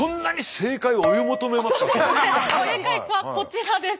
正解はこちらです。